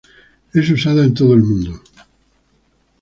Es usada en todo el mundo.